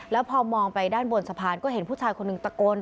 แล้วพอมองไปด้านบนสะพานก็เห็นผู้ชายคนหนึ่งตะโกน